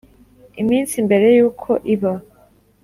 Iminsi mbere y uko iba